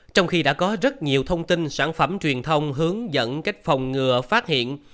trong khi đã có rất nhiều thông tin sản phẩm truyền thông hướng dẫn cách phòng ngừa phát hiện